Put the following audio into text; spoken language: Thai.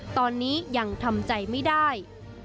ตอนนี้ยังทำใจไม่ได้